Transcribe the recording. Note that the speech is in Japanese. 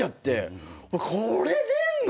これ出んの！？